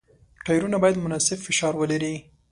ټایرونه باید مناسب فشار ولري.